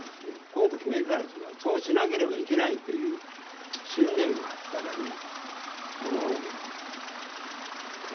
こうと決めたらというかそうしなければいけないという信念があったらね